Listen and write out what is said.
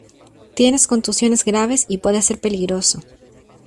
tienes contusiones graves y puede ser peligroso.